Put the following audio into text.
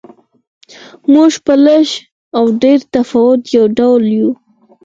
موږ په لږ و ډېر تفاوت یو ډول یو.